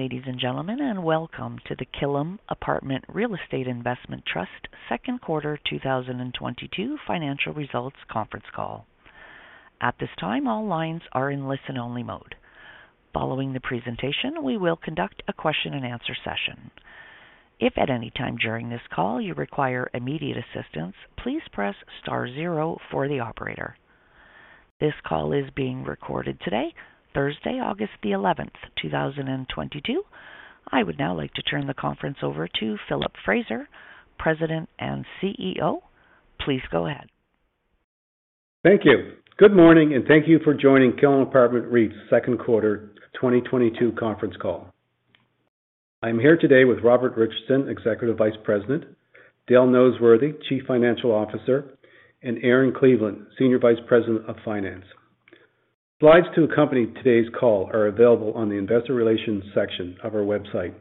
Ladies and gentlemen, welcome to the Killam Apartment Real Estate Investment Trust second quarter 2022 financial results conference call. At this time, all lines are in listen-only mode. Following the presentation, we will conduct a question-and-answer session. If at any time during this call you require immediate assistance, please press star zero for the operator. This call is being recorded today, Thursday, August 11, 2022. I would now like to turn the conference over to Philip Fraser, President and CEO. Please go ahead. Thank you. Good morning, and thank you for joining Killam Apartment REIT's second quarter 2022 conference call. I'm here today with Robert Richardson, Executive Vice President, Dale Noseworthy, Chief Financial Officer, and Erin Cleveland, Senior Vice President of Finance. Slides to accompany today's call are available on the investor relations section of our website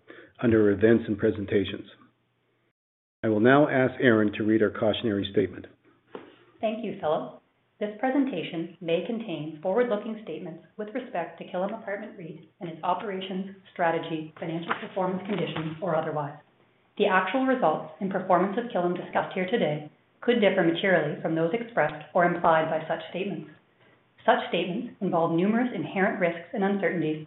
under events and presentations. I will now ask Erin to read our cautionary statement. Thank you, Philip. This presentation may contain forward-looking statements with respect to Killam Apartment REIT and its operations, strategy, financial performance conditions, or otherwise. The actual results and performance of Killam discussed here today could differ materially from those expressed or implied by such statements. Such statements involve numerous inherent risks and uncertainties.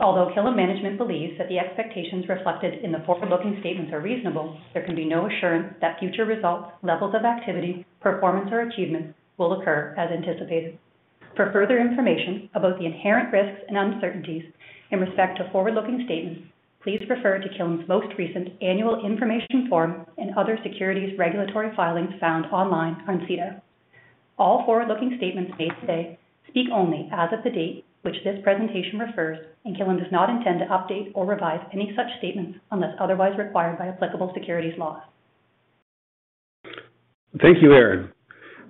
Although Killam management believes that the expectations reflected in the forward-looking statements are reasonable, there can be no assurance that future results, levels of activity, performance, or achievements will occur as anticipated. For further information about the inherent risks and uncertainties in respect to forward-looking statements, please refer to Killam's most recent annual information form and other securities regulatory filings found online on SEDAR. All forward-looking statements made today speak only as of the date which this presentation refers, and Killam does not intend to update or revise any such statements unless otherwise required by applicable securities laws. Thank you, Erin.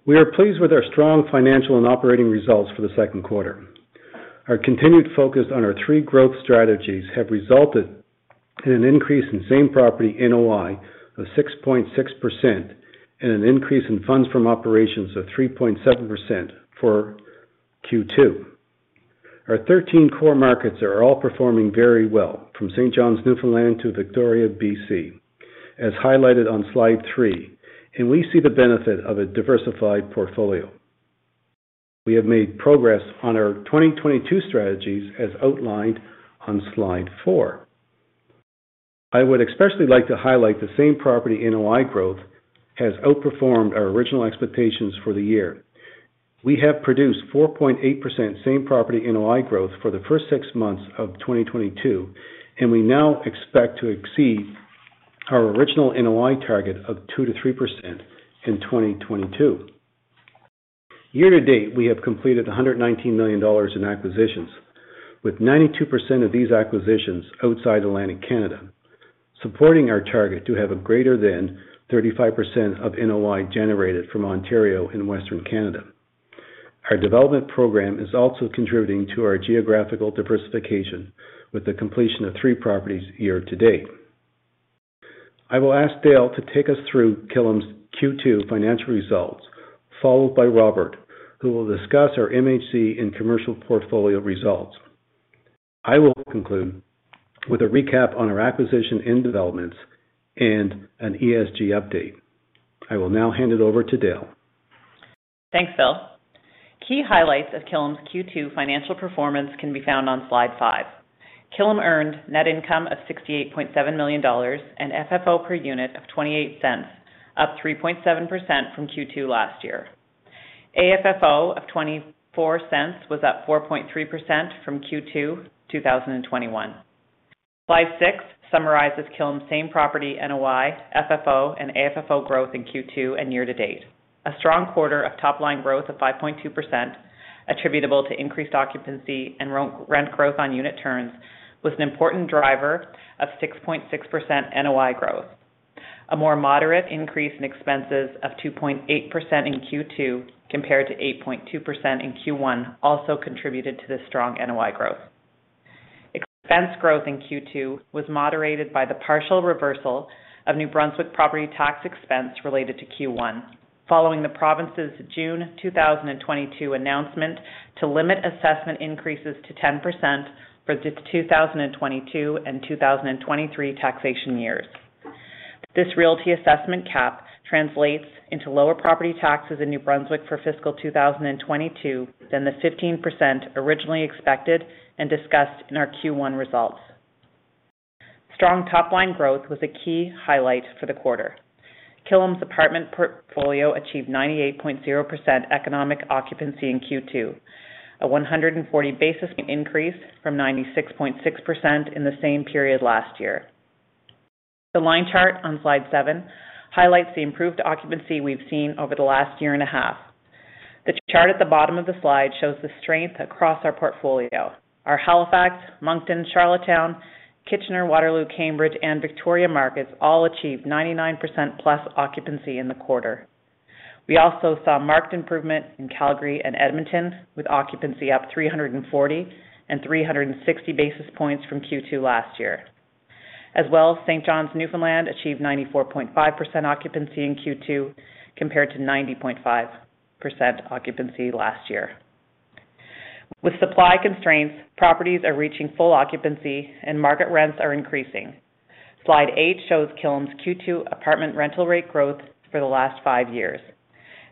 We are pleased with our strong financial and operating results for the second quarter. Our continued focus on our three growth strategies have resulted in an increase in same-property NOI of 6.6% and an increase in funds from operations of 3.7% for Q2. Our 13 core markets are all performing very well, from St. John's, Newfoundland to Victoria, B.C., as highlighted on slide 3, and we see the benefit of a diversified portfolio. We have made progress on our 2022 strategies as outlined on slide 4. I would especially like to highlight the same property NOI growth has outperformed our original expectations for the year. We have produced 4.8% same-property NOI growth for the first six months of 2022, and we now expect to exceed our original NOI target of 2%-3% in 2022. Year-to-date, we have completed 119 million dollars in acquisitions, with 92% of these acquisitions outside Atlantic Canada, supporting our target to have greater than 35% of NOI generated from Ontario and Western Canada. Our development program is also contributing to our geographical diversification with the completion of three properties year-to-date. I will ask Dale to take us through Killam's Q2 financial results, followed by Robert, who will discuss our MHC and commercial portfolio results. I will conclude with a recap on our acquisition and developments and an ESG update. I will now hand it over to Dale. Thanks, Phil. Key highlights of Killam's Q2 financial performance can be found on slide 5. Killam earned net income of 68.7 million dollars and FFO per unit of 0.28, up 3.7% from Q2 last year. AFFO of 0.24 was up 4.3% from Q2 2021. Slide 6 summarizes Killam's same-property NOI, FFO, and AFFO growth in Q2 and year-to-date. A strong quarter of top-line growth of 5.2% attributable to increased occupancy and rent growth on unit turns was an important driver of 6.6% NOI growth. A more moderate increase in expenses of 2.8% in Q2 compared to 8.2% in Q1 also contributed to the strong NOI growth. Expense growth in Q2 was moderated by the partial reversal of New Brunswick property tax expense related to Q1 following the province's June 2022 announcement to limit assessment increases to 10% for the 2022 and 2023 taxation years. This realty assessment cap translates into lower property taxes in New Brunswick for fiscal 2022 than the 15% originally expected and discussed in our Q1 results. Strong top-line growth was a key highlight for the quarter. Killam's apartment portfolio achieved 98.0% economic occupancy in Q2, a 140 basis increase from 96.6% in the same period last year. The line chart on slide 7 highlights the improved occupancy we've seen over the last year and a half. The chart at the bottom of the slide shows the strength across our portfolio. Our Halifax, Moncton, Charlottetown, Kitchener, Waterloo, Cambridge, and Victoria markets all achieved 99%+ occupancy in the quarter. We also saw marked improvement in Calgary and Edmonton, with occupancy up 340 and 360 basis points from Q2 last year. As well as St. John's, Newfoundland achieved 94.5% occupancy in Q2 compared to 90.5% occupancy last year. With supply constraints, properties are reaching full occupancy and market rents are increasing. Slide 8 shows Killam's Q2 apartment rental rate growth for the last five years.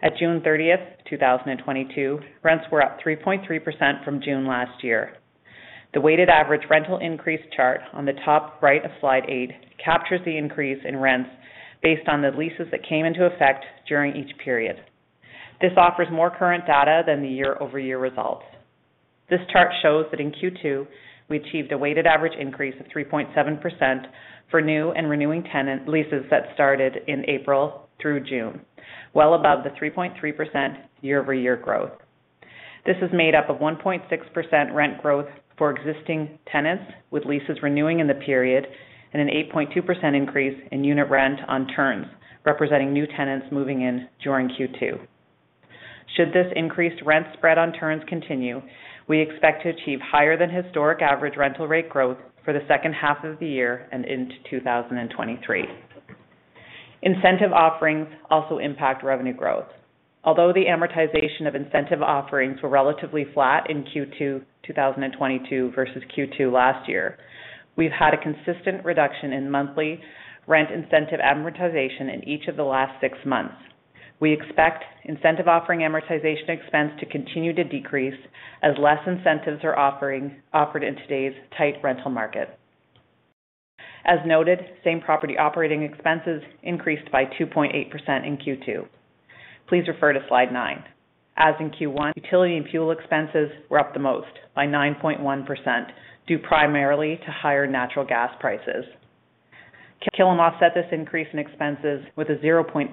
At June 30, 2022, rents were up 3.3% from June last year. The weighted average rental increase chart on the top right of slide 8 captures the increase in rents based on the leases that came into effect during each period. This offers more current data than the year-over-year results. This chart shows that in Q2, we achieved a weighted average increase of 3.7% for new and renewing tenant leases that started in April through June, well above the 3.3% year-over-year growth. This is made up of 1.6% rent growth for existing tenants with leases renewing in the period, and an 8.2% increase in unit rent on turns, representing new tenants moving in during Q2. Should this increased rent spread on turns continue, we expect to achieve higher than historic average rental rate growth for the second half of the year and into 2023. Incentive offerings also impact revenue growth. Although the amortization of incentive offerings were relatively flat in Q2, 2022 versus Q2 last year, we've had a consistent reduction in monthly rent incentive amortization in each of the last six months. We expect incentive offering amortization expense to continue to decrease as less incentives are offered in today's tight rental market. As noted, same property operating expenses increased by 2.8% in Q2. Please refer to slide 9. As in Q1, utility and fuel expenses were up the most by 9.1%, due primarily to higher natural gas prices. Killam offset this increase in expenses with a 0.8%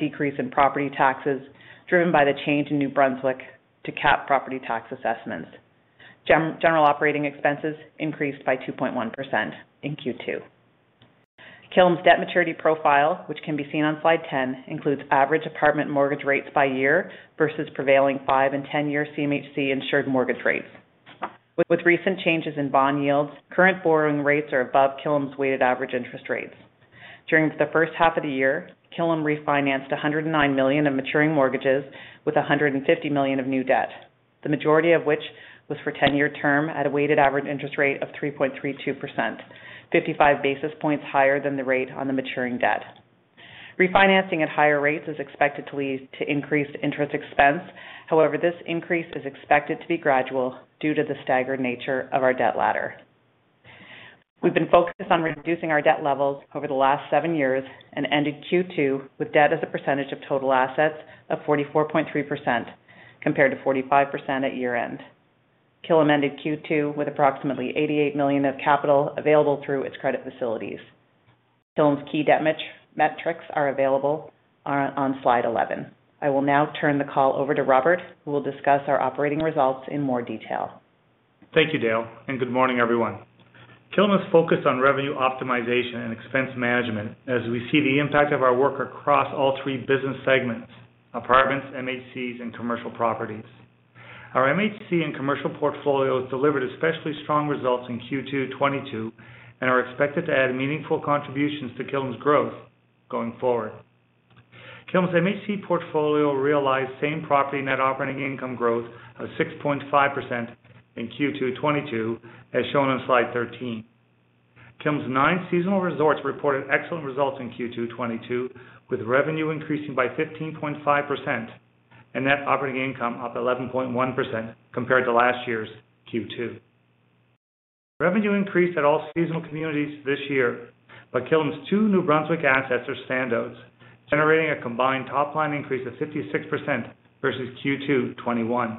decrease in property taxes, driven by the change in New Brunswick to cap property tax assessments. General operating expenses increased by 2.1% in Q2. Killam's debt maturity profile, which can be seen on slide 10, includes average apartment mortgage rates by year versus prevailing five- and 10-year CMHC insured mortgage rates. With recent changes in bond yields, current borrowing rates are above Killam's weighted average interest rates. During the first half of the year, Killam refinanced 109 million of maturing mortgages with 150 million of new debt, the majority of which was for 10-year term at a weighted average interest rate of 3.32%, 55 basis points higher than the rate on the maturing debt. Refinancing at higher rates is expected to lead to increased interest expense. However, this increase is expected to be gradual due to the staggered nature of our debt ladder. We've been focused on reducing our debt levels over the last seven years and ended Q2 with debt as a percentage of total assets of 44.3% compared to 45% at year-end. Killam ended Q2 with approximately 88 million of capital available through its credit facilities. Killam's key debt metrics are available on slide 11. I will now turn the call over to Robert, who will discuss our operating results in more detail. Thank you, Dale, and good morning, everyone. Killam's focused on revenue optimization and expense management as we see the impact of our work across all three business segments, apartments, MHC, and commercial properties. Our MHC and commercial portfolio delivered especially strong results in Q2 2022 and are expected to add meaningful contributions to Killam's growth going forward. Killam's MHC portfolio realized same property net operating income growth of 6.5% in Q2 2022, as shown on slide 13. Killam's nine seasonal resorts reported excellent results in Q2 2022, with revenue increasing by 15.5% and net operating income up 11.1% compared to last year's Q2. Revenue increased at all seasonal communities this year, but Killam's two New Brunswick assets are standouts, generating a combined top line increase of 56% versus Q2 2021.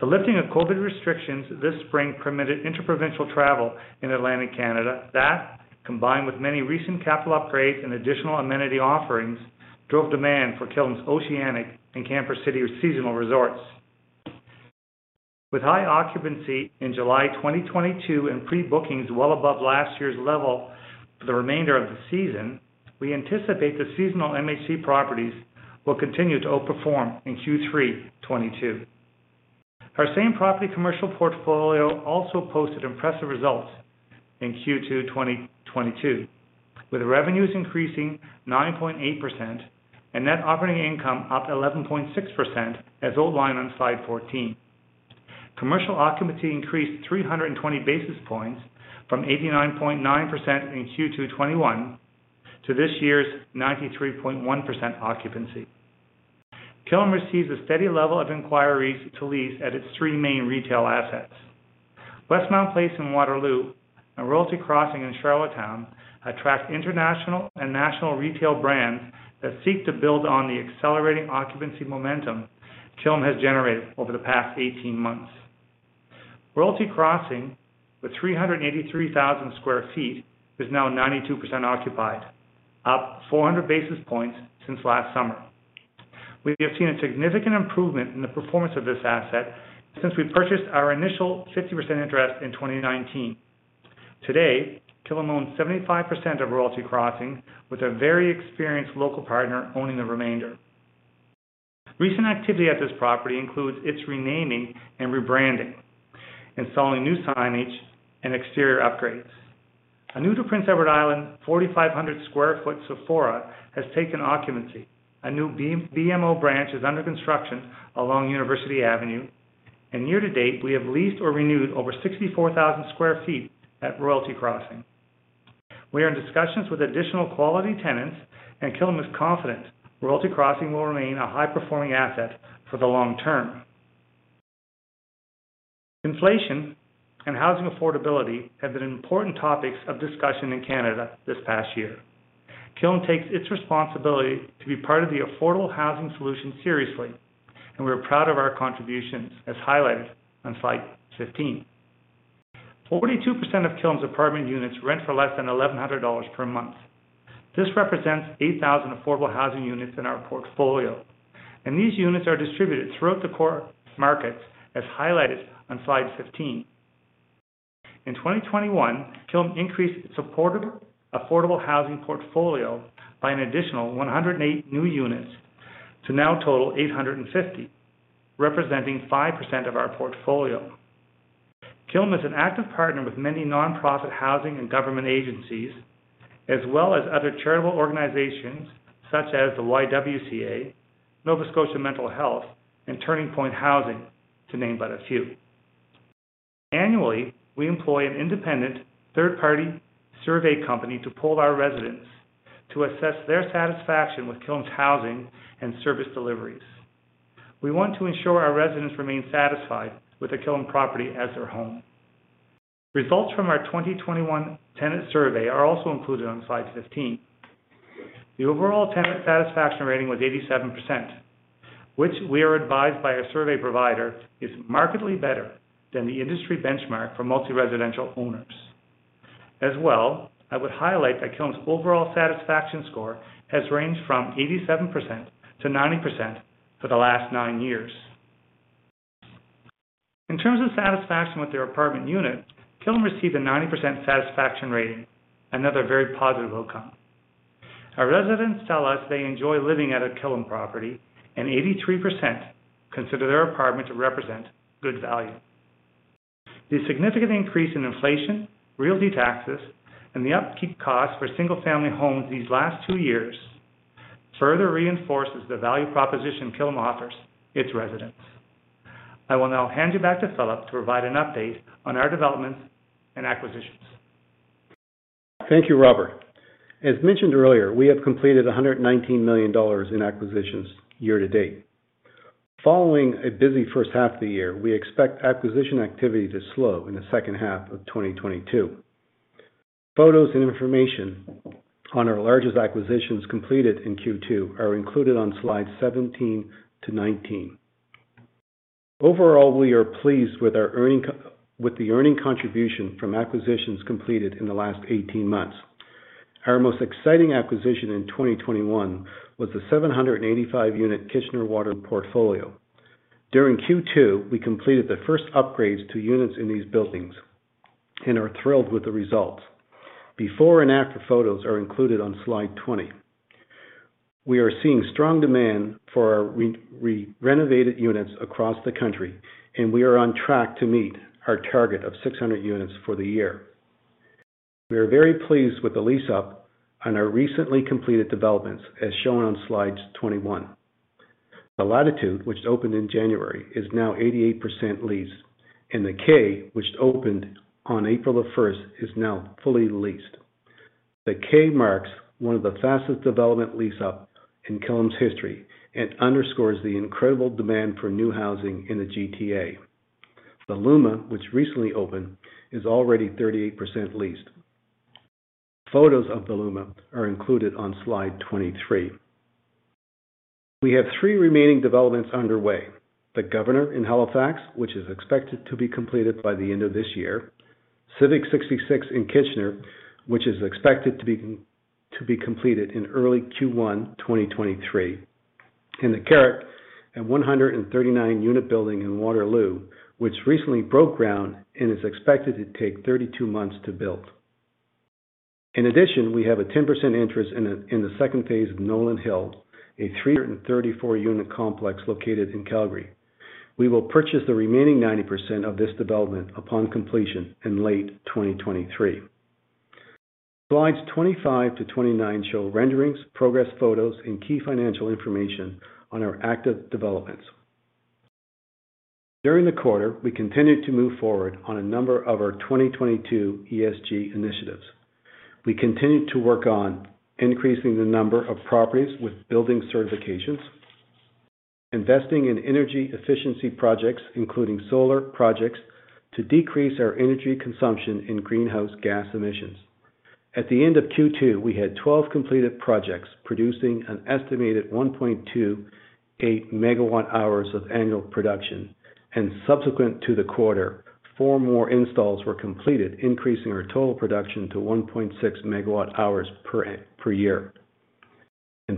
The lifting of COVID restrictions this spring permitted inter-provincial travel in Atlantic Canada. That, combined with many recent capital upgrades and additional amenity offerings, drove demand for Killam's Camping Oceanic and Camper's City seasonal resorts. With high occupancy in July 2022 and pre-bookings well above last year's level for the remainder of the season, we anticipate the seasonal MHC properties will continue to outperform in Q3 2022. Our same property commercial portfolio also posted impressive results in Q2 2022, with revenues increasing 9.8% and net operating income up 11.6%, as outlined on slide 14. Commercial occupancy increased 320 basis points from 89.9% in Q2 2021 to this year's 93.1% occupancy. Killam receives a steady level of inquiries to lease at its three main retail assets. Westmount Place in Waterloo and Royalty Crossing in Charlottetown attract international and national retail brands that seek to build on the accelerating occupancy momentum Killam has generated over the past 18 months. Royalty Crossing, with 383,000 sq ft, is now 92% occupied, up 400 basis points since last summer. We have seen a significant improvement in the performance of this asset since we purchased our initial 50% interest in 2019. Today, Killam owns 75% of Royalty Crossing, with a very experienced local partner owning the remainder. Recent activity at this property includes its renaming and rebranding, installing new signage and exterior upgrades. A new to Prince Edward Island 4,500 sq ft Sephora has taken occupancy. A new BMO branch is under construction along University Avenue, and year to date, we have leased or renewed over 64,000 sq ft at Royalty Crossing. We are in discussions with additional quality tenants, and Killam is confident Royalty Crossing will remain a high-performing asset for the long term. Inflation and housing affordability have been important topics of discussion in Canada this past year. Killam takes its responsibility to be part of the affordable housing solution seriously, and we are proud of our contributions as highlighted on slide 15. 42% of Killam's apartment units rent for less than 1,100 dollars per month. This represents 8,000 affordable housing units in our portfolio, and these units are distributed throughout the core markets, as highlighted on slide 15. In 2021, Killam increased its supported affordable housing portfolio by an additional 108 new units to now total 850, representing 5% of our portfolio. Killam is an active partner with many nonprofit housing and government agencies as well as other charitable organizations such as the YWCA, Nova Scotia Mental Health, and Turning Point Housing, to name but a few. Annually, we employ an independent third-party survey company to poll our residents to assess their satisfaction with Killam's housing and service deliveries. We want to ensure our residents remain satisfied with the Killam property as their home. Results from our 2021 tenant survey are also included on slide 15. The overall tenant satisfaction rating was 87%, which we are advised by our survey provider is markedly better than the industry benchmark for multi-residential owners. As well, I would highlight that Killam's overall satisfaction score has ranged from 87%-90% for the last nine years. In terms of satisfaction with their apartment unit, Killam received a 90% satisfaction rating, another very positive outcome. Our residents tell us they enjoy living at a Killam property, and 83% consider their apartment to represent good value. The significant increase in inflation, realty taxes, and the upkeep cost for single-family homes these last two years further reinforces the value proposition Killam offers its residents. I will now hand you back to Philip to provide an update on our developments and acquisitions. Thank you, Robert. As mentioned earlier, we have completed 119 million dollars in acquisitions year to date. Following a busy first half of the year, we expect acquisition activity to slow in the second half of 2022. Photos and information on our largest acquisitions completed in Q2 are included on slides 17-19. Overall, we are pleased with our earnings contribution from acquisitions completed in the last 18 months. Our most exciting acquisition in 2021 was the 785-Unit Kitchener-Waterloo Portfolio. During Q2, we completed the first upgrades to units in these buildings and are thrilled with the results. Before and after photos are included on slide 20. We are seeing strong demand for renovated units across the country, and we are on track to meet our target of 600 units for the year. We are very pleased with the lease up on our recently completed developments as shown on slides 21. The Latitude, which opened in January, is now 88% leased, and The Kay, which opened on April 1, is now fully leased. The Kay marks one of the fastest development lease up in Killam's history and underscores the incredible demand for new housing in the GTA. The Luma, which recently opened, is already 38% leased. Photos of The Luma are included on slide 23. We have three remaining developments underway. The Governor in Halifax, which is expected to be completed by the end of this year. Civic 66 in Kitchener, which is expected to be completed in early Q1 2023. The Carrick, a 139-unit building in Waterloo, which recently broke ground and is expected to take 32 months to build. In addition, we have a 10% interest in the second phase of Nolan Hill, a 334-unit complex located in Calgary. We will purchase the remaining 90% of this development upon completion in late 2023. Slides 25-29 show renderings, progress photos, and key financial information on our active developments. During the quarter, we continued to move forward on a number of our 2022 ESG initiatives. We continued to work on increasing the number of properties with building certifications, investing in energy efficiency projects, including solar projects, to decrease our energy consumption and greenhouse gas emissions. At the end of Q2, we had 12 completed projects producing an estimated 1.28 MWh of annual production, and subsequent to the quarter, four more installs were completed, increasing our total production to 1.6 MWh per year.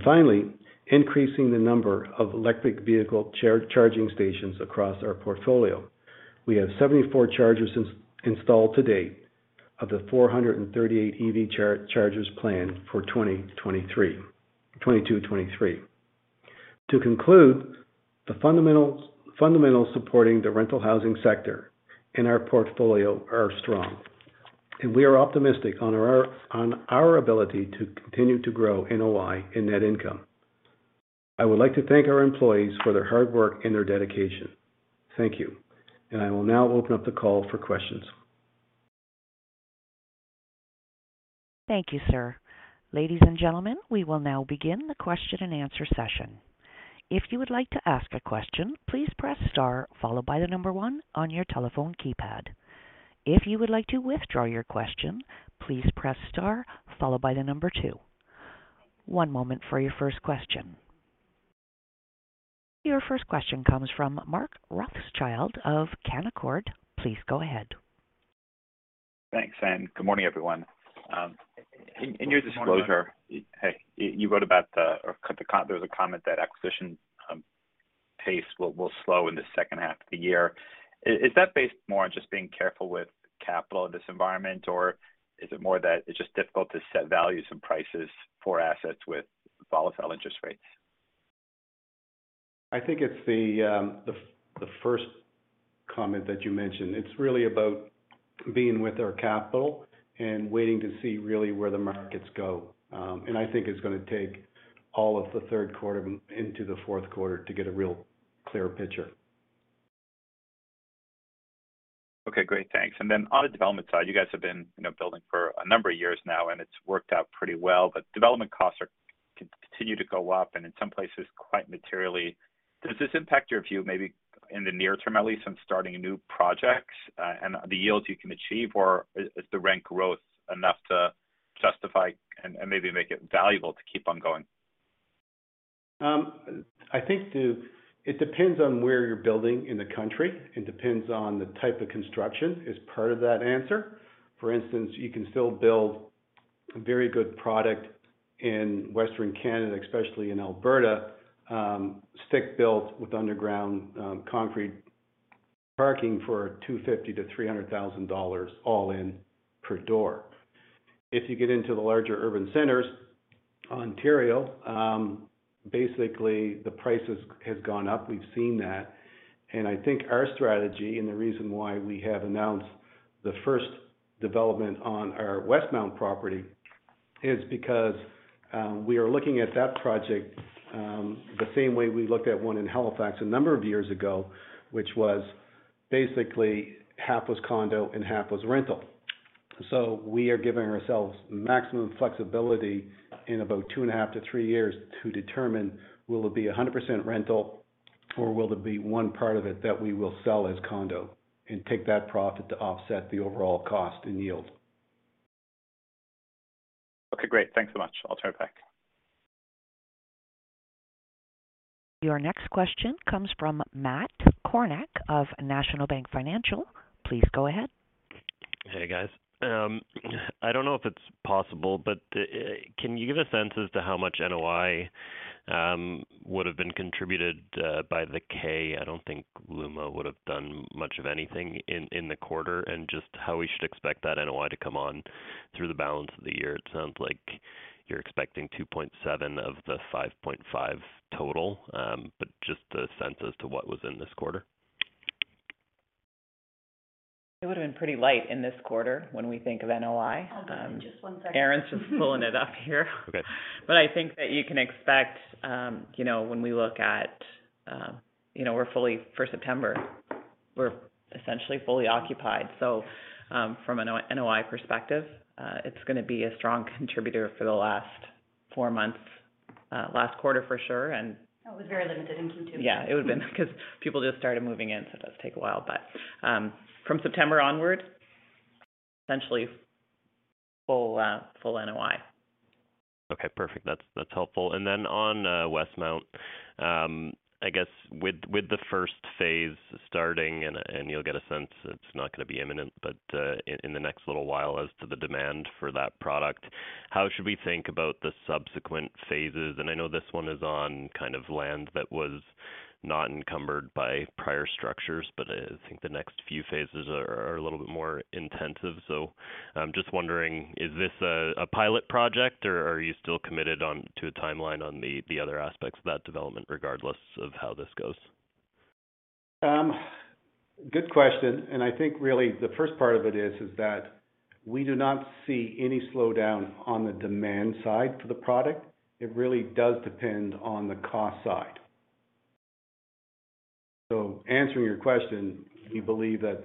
Finally, increasing the number of electric vehicle charging stations across our portfolio. We have 74 chargers installed today of the 438 EV chargers planned for 2022-2023. To conclude, the fundamentals supporting the rental housing sector in our portfolio are strong, and we are optimistic on our ability to continue to grow NOI and net income. I would like to thank our employees for their hard work and their dedication. Thank you. I will now open up the call for questions. Thank you, sir. Ladies and gentlemen, we will now begin the question and answer session. If you would like to ask a question, please press star followed by the number one on your telephone keypad. If you would like to withdraw your question, please press star followed by the number two. One moment for your first question. Your first question comes from Mark Rothschild of Canaccord. Please go ahead. Thanks and good morning, everyone. In your disclosure- Good morning, Mark. Hey. You wrote about the or there was a comment that acquisition pace will slow in the second half of the year. Is that based more on just being careful with capital in this environment? Or is it more that it's just difficult to set values and prices for assets with volatile interest rates? I think it's the first comment that you mentioned. It's really about being with our capital and waiting to see really where the markets go. I think it's gonna take all of the third quarter into the fourth quarter to get a real clear picture. Okay, great. Thanks. Then on the development side, you guys have been, you know, building for a number of years now, and it's worked out pretty well, but development costs are continuing to go up and in some places quite materially. Does this impact your view, maybe in the near term at least, on starting new projects, and the yields you can achieve? Or is the rent growth enough to justify and maybe make it valuable to keep on going? I think it depends on where you're building in the country. It depends on the type of construction is part of that answer. For instance, you can still build very good product in Western Canada, especially in Alberta, stick built with underground, concrete parking for 250,000-300,000 dollars all in per door. If you get into the larger urban centers, Ontario, basically the prices has gone up. We've seen that. I think our strategy and the reason why we have announced the first development on our Westmount Property is because, we are looking at that project, the same way we looked at one in Halifax a number of years ago, which was basically half was condo and half was rental. We are giving ourselves maximum flexibility in about two and a half to three years to determine, will it be 100% rental or will it be one part of it that we will sell as condo and take that profit to offset the overall cost and yield. Okay, great. Thanks so much. I'll turn it back. Your next question comes from Matt Kornack of National Bank Financial. Please go ahead. Hey, guys. I don't know if it's possible, but can you give a sense as to how much NOI would have been contributed by The Kay? I don't think The Luma would have done much of anything in the quarter. Just how we should expect that NOI to come on through the balance of the year. It sounds like you're expecting 2.7 of the 5.5 total, but just a sense as to what was in this quarter. It would've been pretty light in this quarter when we think of NOI. Hold on just one second. Erin's just pulling it up here. Okay. I think that you can expect, you know, when we look at, you know, for September, we're essentially fully occupied. From an NOI perspective, it's gonna be a strong contributor for the last four months, last quarter for sure and It was very limited in Q2. Yeah, it would've been because people just started moving in, so it does take a while. From September onward, essentially full NOI. Okay, perfect. That's helpful. On Westmount, I guess with the first phase starting and you'll get a sense it's not gonna be imminent, but in the next little while as to the demand for that product, how should we think about the subsequent phases? I know this one is on kind of land that was not encumbered by prior structures, but I think the next few phases are a little bit more intensive. I'm just wondering, is this a pilot project or are you still committed to a timeline on the other aspects of that development, regardless of how this goes? Good question. I think really the first part of it is that we do not see any slowdown on the demand side for the product. It really does depend on the cost side. Answering your question, we believe that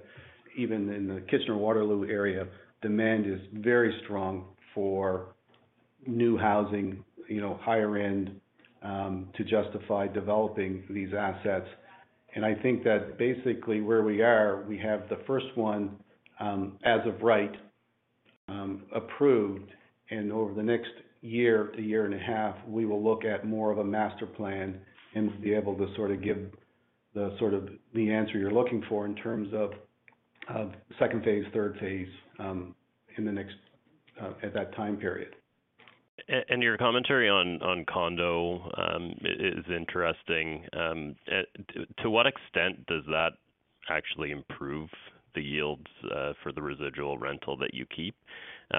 even in the Kitchener-Waterloo area, demand is very strong for new housing, you know, higher end, to justify developing these assets. I think that basically where we are, we have the first one, as-of-right, approved. Over the next year to year and a half, we will look at more of a master plan and be able to sort of give the sort of answer you're looking for in terms of second phase, third phase, in the next, at that time period. Your commentary on condo is interesting. To what extent does that actually improve the yields for the residual rental that you keep? Is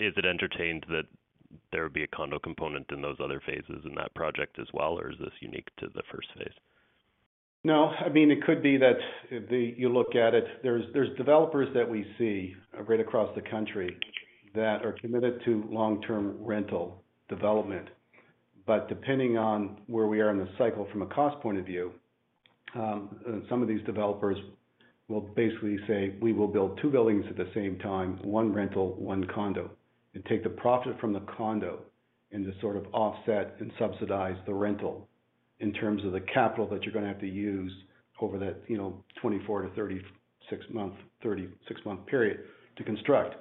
it entertained that there would be a condo component in those other phases in that project as well, or is this unique to the first phase? No, I mean, it could be that you look at it. There's developers that we see right across the country that are committed to long-term rental development. Depending on where we are in the cycle from a cost point of view, some of these developers will basically say, "We will build two buildings at the same time, one rental, one condo," and take the profit from the condo and just sort of offset and subsidize the rental in terms of the capital that you're gonna have to use over that, you know, 24-36-month period to construct.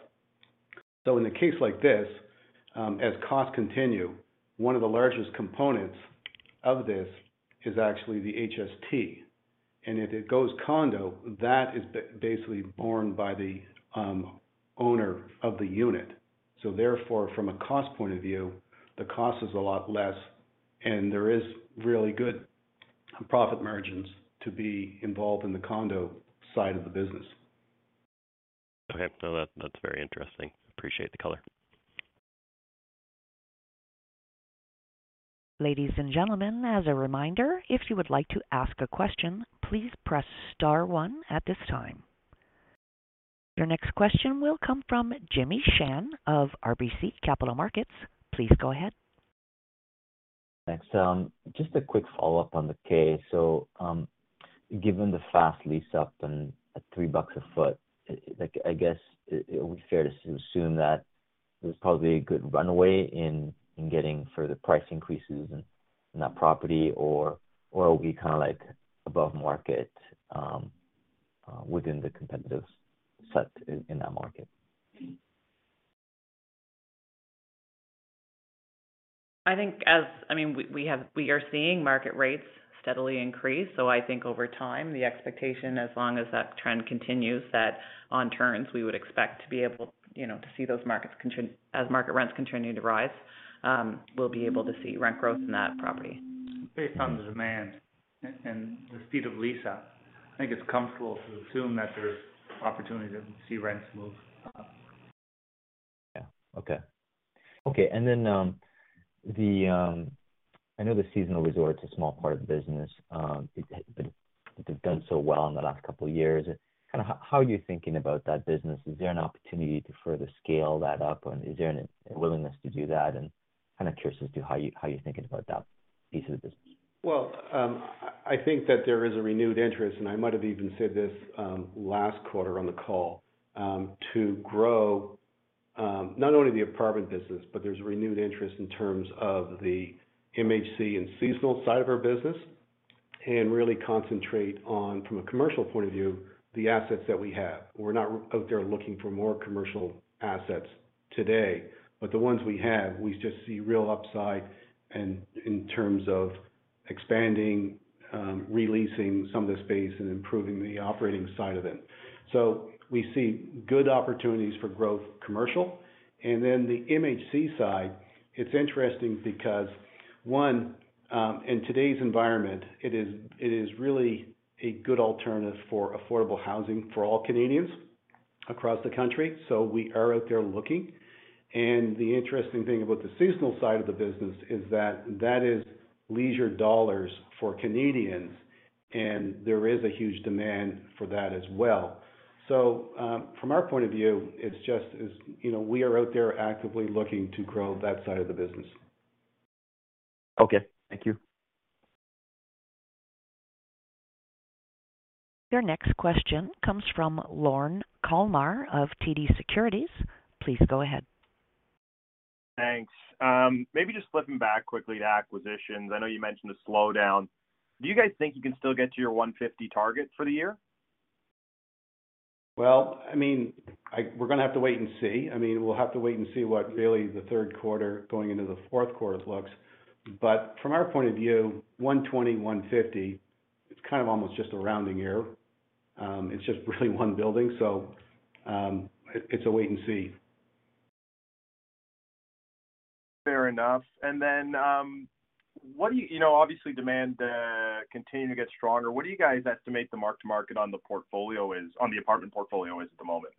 In a case like this, as costs continue, one of the largest components of this is actually the HST. If it goes condo, that is basically borne by the owner of the unit. From a cost point of view, the cost is a lot less, and there is really good profit margins to be involved in the condo side of the business. Okay. No, that's very interesting. Appreciate the color. Ladies and gentlemen, as a reminder, if you would like to ask a question, please press star one at this time. Your next question will come from Jimmy Shan of RBC Capital Markets. Please go ahead. Thanks. Just a quick follow-up on the Kay. Given the fast lease-up and at 3 bucks a foot, like, I guess it would be fair to assume that there's probably a good runway in getting further price increases in that property, or will it be kinda like above market within the competitive set in that market? I think, I mean, we are seeing market rates steadily increase. I think over time, the expectation as long as that trend continues, that on turns, we would expect to be able, you know, to see those markets. As market rents continue to rise, we'll be able to see rent growth in that property. Based on the demand and the speed of lease-up, I think it's comfortable to assume that there's opportunity to see rents move up. Okay. I know the seasonal resort is a small part of the business, but it's done so well in the last couple of years. Kinda how are you thinking about that business? Is there an opportunity to further scale that up, and is there any willingness to do that? Kind of curious as to how you're thinking about that piece of the business. Well, I think that there is a renewed interest, and I might have even said this, last quarter on the call, to grow, not only the apartment business, but there's renewed interest in terms of the MHC and seasonal side of our business, and really concentrate on, from a commercial point of view, the assets that we have. We're not out there looking for more commercial assets today. The ones we have, we just see real upside and in terms of expanding, re-leasing some of the space and improving the operating side of it. We see good opportunities for growth commercial. Then the MHC side, it's interesting because, one, in today's environment, it is really a good alternative for affordable housing for all Canadians across the country. We are out there looking. The interesting thing about the seasonal side of the business is that that is leisure dollars for Canadians, and there is a huge demand for that as well. From our point of view, it's just, as you know, we are out there actively looking to grow that side of the business. Okay, thank you. Your next question comes from Lorne Kalmar of TD Securities. Please go ahead. Thanks. Maybe just flipping back quickly to acquisitions. I know you mentioned a slowdown. Do you guys think you can still get to your 150 target for the year? Well, I mean, we're gonna have to wait and see. I mean, we'll have to wait and see what really the third quarter going into the fourth quarter looks. From our point of view, 120, 150, it's kind of almost just a rounding error. It's just really one building. It's a wait and see. Fair enough. You know, obviously demand continuing to get stronger. What do you guys estimate the mark to market on the portfolio is, on the apartment portfolio is at the moment?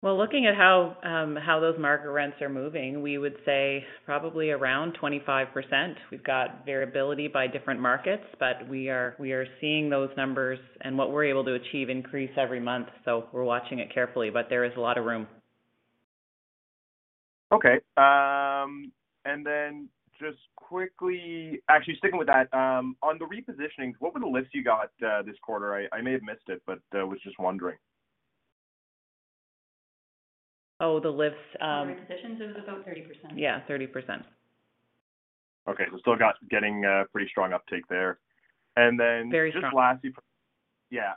Well, looking at how those market rents are moving, we would say probably around 25%. We've got variability by different markets, but we are seeing those numbers and what we're able to achieve increase every month. We're watching it carefully, but there is a lot of room. Just quickly, actually, sticking with that, on the repositioning, what were the lifts you got this quarter? I may have missed it, but was just wondering. Oh, the lifts. The repositions, it was about 30%. Yeah, 30%. Still getting a pretty strong uptake there. Then Very strong. Just lastly. Yeah.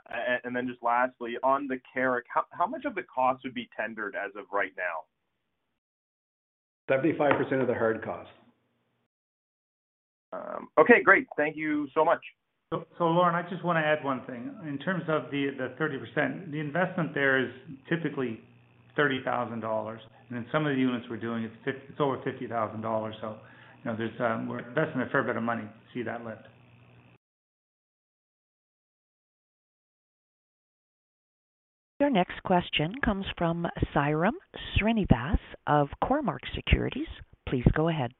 Just lastly, on The Carrick, how much of the cost would be tendered as of right now? 75% of the hard costs. Okay, great. Thank you so much. Lorne, I just wanna add one thing. In terms of the 30%, the investment there is typically 30,000 dollars. In some of the units we're doing, it's over 50,000 dollars. You know, there's we're investing a fair bit of money to see that lift. Your next question comes from Sairam Srinivas of Cormark Securities. Please go ahead.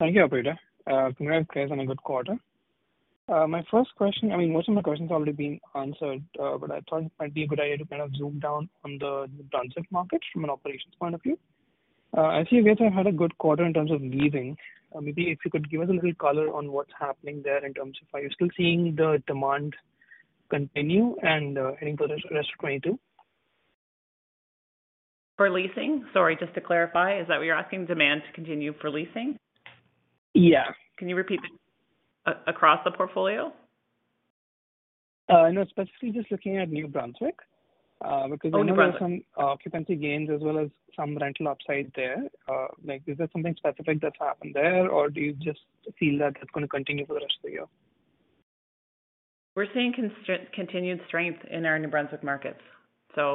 Thank you, operator. Congrats, guys, on a good quarter. My first question. I mean, most of my questions have already been answered, but I thought it might be a good idea to kind of zoom in on the New Brunswick market from an operations point of view. I see you guys have had a good quarter in terms of leasing. Maybe if you could give us a little color on what's happening there in terms of are you still seeing the demand continue and, heading for the rest of 2022? For leasing? Sorry, just to clarify, is that what you're asking, demand to continue for leasing? Yeah. Can you repeat? Across the portfolio? No, specifically just looking at New Brunswick. Oh, New Brunswick. Because I know there are some occupancy gains as well as some rental upside there. Like, is there something specific that's happened there or do you just feel that it's gonna continue for the rest of the year? We're seeing continued strength in our New Brunswick markets. There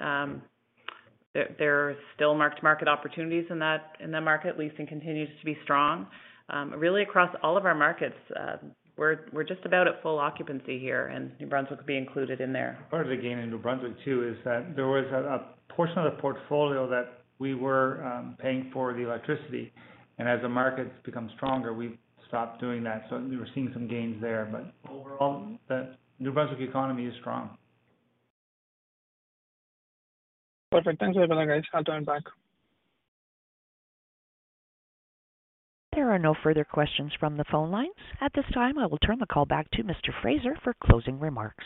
are still mark-to-market opportunities in that market. Leasing continues to be strong. Really across all of our markets, we're just about at full occupancy here, and New Brunswick would be included in there. Part of the gain in New Brunswick too is that there was a portion of the portfolio that we were paying for the electricity. As the market's become stronger, we've stopped doing that. We were seeing some gains there. Overall, the New Brunswick economy is strong. Perfect. Thanks for that, guys. I'll join back. There are no further questions from the phone lines. At this time, I will turn the call back to Mr. Fraser for closing remarks.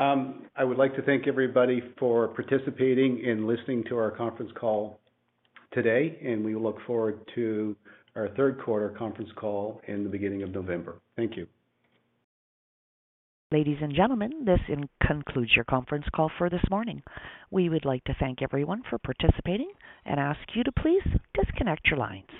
I would like to thank everybody for participating and listening to our conference call today, and we look forward to our third quarter conference call in the beginning of November. Thank you. Ladies and gentlemen, this concludes your conference call for this morning. We would like to thank everyone for participating and ask you to please disconnect your lines.